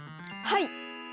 はい！